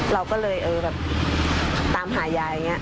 เราก็เลยตามหายาย